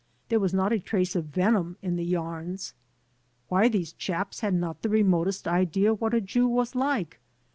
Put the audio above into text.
There was not a trace of venom in the yams. Why, these chaps had not the remotest idea what a Jew was like!